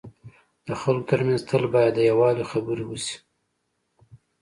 د خلکو ترمنځ تل باید د یووالي خبري وسي.